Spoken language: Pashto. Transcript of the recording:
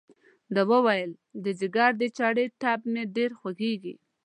ده وویل د ځګر د چړې ټپ مې ډېر خوږېږي.